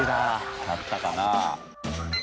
当たったかな？